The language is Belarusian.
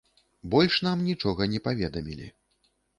Больш нам нічога не паведамілі.